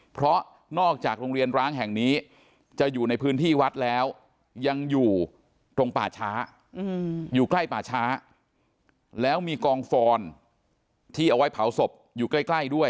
เพราะนอกจากโรงเรียนร้างแห่งนี้จะอยู่ในพื้นที่วัดแล้วยังอยู่ตรงป่าช้าอยู่ใกล้ป่าช้าแล้วมีกองฟอนที่เอาไว้เผาศพอยู่ใกล้ด้วย